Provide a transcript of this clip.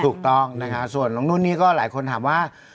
ถูกต้องนะคะส่วนน้องนุ่นนี่ก็หลายคนถามว่า